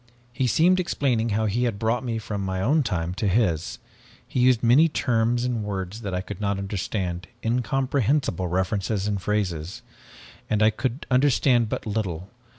"He seemed explaining how he had brought me from my own time to his. He used many terms and words that I could not understand, incomprehensible references and phrases, and I could understand but little.